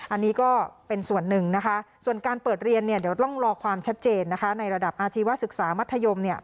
อันนี้ก็เป็นส่วนหนึ่งนะคะส่วนการเปิดเรียนเนี่ยเดี๋ยวต้องรอความชัดเจนนะคะในระดับอาชีวศึกษามัธยมเนี่ย